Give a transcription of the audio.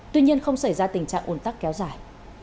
tuy nhiên không xảy ra tình trạng ồn tắc kéo dài